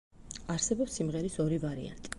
არსებობს სიმღერის ორი ვარიანტი.